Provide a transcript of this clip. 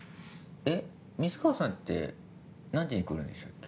えっ水川さんって何時に来るんでしたっけ？